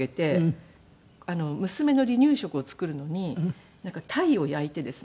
娘の離乳食を作るのに鯛を焼いてですね